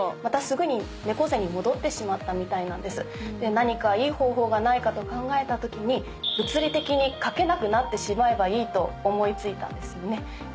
何かいい方法がないかと考えたときに物理的に書けなくなってしまえばいいと思い付いたんですね。